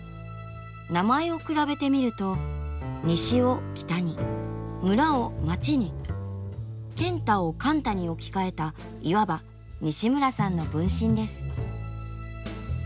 名前を比べてみると「西」を「北」に「村」を「町」に「賢太」を「貫多」に置き換えたいわば西村さんの分身です。